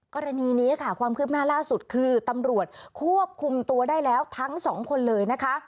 กรณีนี้ค่ะความคืบหน้าล่าสุดคือตำรวจควบคุมตัวได้แล้วทั้งสองคนเลยนะคะ